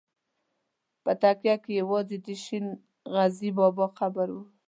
په تکیه کې یوازې د شین غزي بابا قبر و.